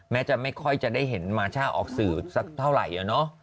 จะไม่ค่อยจะได้เห็นมาช่าออกสื่อสักเท่าไหร่